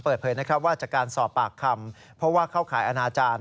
เปิดเผยนะครับว่าจากการสอบปากคำเพราะว่าเข้าข่ายอนาจารย์